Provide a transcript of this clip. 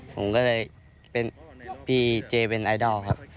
ผมก็เลยเป็นพี่เจเป็นไอดอลครับ